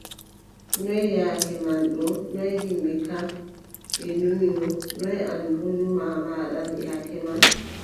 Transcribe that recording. Noy yaake may ɗo, noy yimɓe kam, ɓe numino, noy an boo numo maaɗan yaake man?